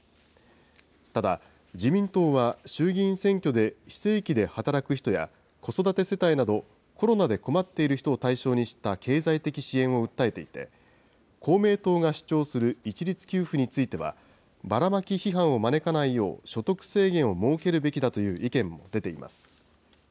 ただ、自民党は衆議院選挙で非正規で働く人や子育て世帯など、コロナで困っている人を対象にした経済的支援を訴えていて、公明党が主張する一律給付については、バラマキ批判を招かないよう所得制限を設けるべきだという意見も出ています。